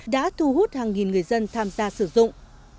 đã thu hút hàng nghìn người dân tham gia sử dụng